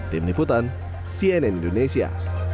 tim liputan cnn indonesia